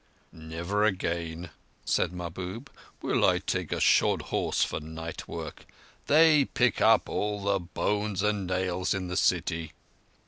"Never again," said Mahbub, "will I take a shod horse for night work. They pick up all the bones and nails in the city."